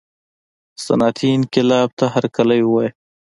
صنعتي انقلاب ته هرکلی ووایه.